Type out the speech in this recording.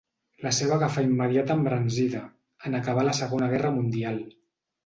La seva agafà immediata embranzida, en acabar la segona guerra mundial.